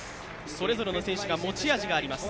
それぞれの選手が持ち味があります。